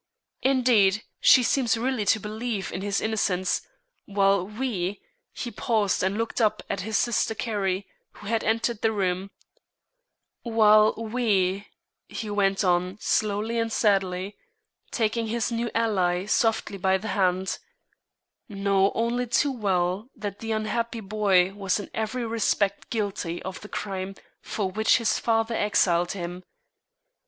Indeed, she seems really to believe in his innocence, while we," he paused and looked up at his sister Carrie who had entered the room, "while we," he went on slowly and sadly, taking this new ally softly by the hand, "know only too well that the unhappy boy was in every respect guilty of the crime for which his father exiled him.